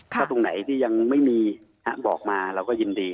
ถ้าตรงไหนที่ยังไม่มีบอกมาเราก็ยินดี